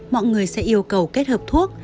mọi người sẽ yêu cầu kết hợp thuốc